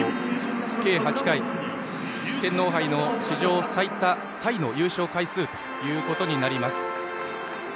計８回、天皇杯の史上最多タイの優勝回数となります。